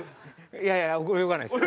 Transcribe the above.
いやいや泳がないです。